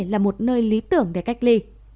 là một nơi lý tưởng để cách ly